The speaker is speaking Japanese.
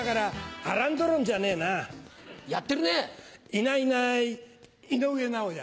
いないいない井上尚弥！